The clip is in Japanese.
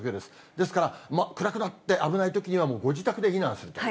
ですから、暗くなって危ないときには、もうご自宅で避難すると。